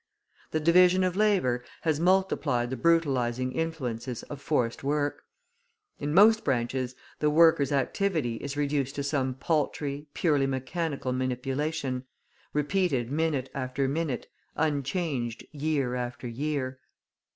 The division of labour has multiplied the brutalising influences of forced work. In most branches the worker's activity is reduced to some paltry, purely mechanical manipulation, repeated minute after minute, unchanged year after year.